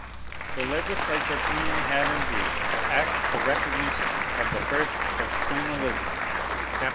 The legislature plainly had in view the Act of Recognition of the first of Queen Elizabeth, chap.